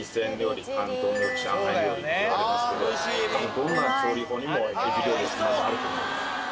どんな調理法にもえび料理があると思います。